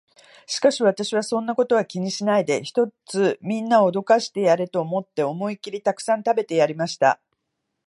しかし私は、そんなことは気にしないで、ひとつみんなを驚かしてやれと思って、思いきりたくさん食べてやりました。